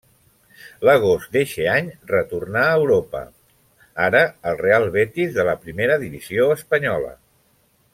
L'agost d'eixe any retorna a Europa, ara al Real Betis de la primera divisió espanyola.